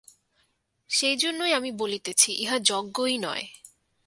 সেই জন্যই আমি বলিতেছি, ইহা যজ্ঞই নয়।